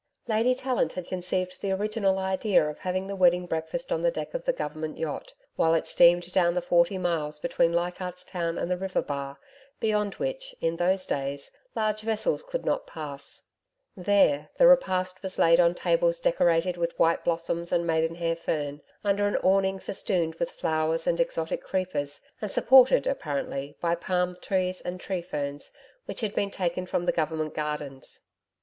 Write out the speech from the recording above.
Lady Tallant had conceived the original idea of having the wedding breakfast on the deck of the Government yacht, while it steamed down the forty miles between Leichardt's Town and the river bar, beyond which, in those days, large vessels could not pass. There, the repast was laid on tables decorated with white blossoms and maidenhair fern, under an awning festooned with flowers and exotic creepers, and supported apparently, by palm trees and tree ferns which had been taken from the Government Gardens.